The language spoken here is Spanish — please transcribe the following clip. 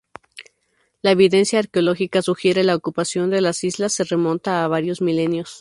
La evidencia arqueológica sugiere la ocupación de las islas se remonta a varios milenios.